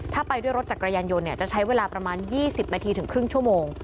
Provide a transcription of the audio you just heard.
ถ้าไปด้วยรถจักรยานยนต์เนี้ยจะใช้เวลาประมาณยี่สิบมันทีถึงครึ่งชั่วโมง